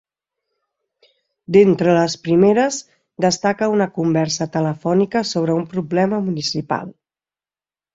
D'entre les primeres destaca una conversa telefònica sobre un problema municipal.